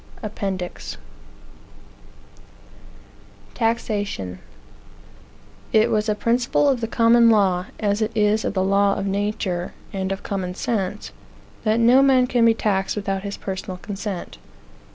APPENDIX TAXATION It was a principle of the Common Law, as it is of the law of nature, and of common sense, that no man can be taxed without his personal consent.